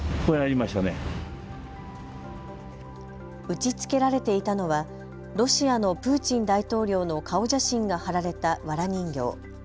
打ちつけられていたのはロシアのプーチン大統領の顔写真が貼られた、わら人形。